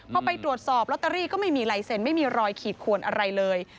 พอไปตรวจสอบลอตเตอรี่ก็ไม่มีลายเซ็นต์ไม่มีรอยขีดขวนอะไรเลย